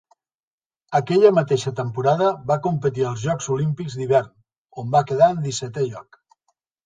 Aquella mateixa temporada va competir als Jocs Olímpics d'Hivern, on va quedar en dissetè lloc.